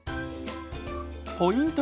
ポイント